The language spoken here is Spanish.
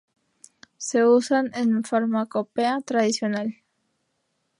Se usan en farmacopea tradicional.